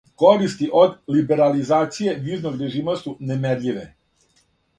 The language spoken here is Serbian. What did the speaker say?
Користи од либерализације визног режима су немерљиве.